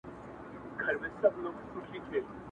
• ابليس وركړله پر مخ څپېړه كلكه -